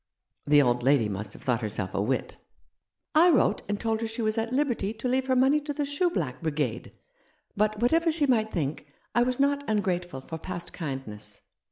"" The old lady must have thought herself a wit." " I wrote and told her she was at liberty to leave her money to the shoe black brigade ; but what ever she might think, I was not ungrateful for past kindness.